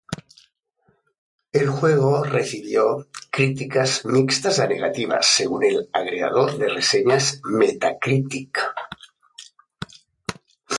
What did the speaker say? El juego recibió "críticas mixtas a negativas" según el agregador de reseñas Metacritic.